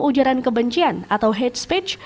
ujaran kebencian atau hate speech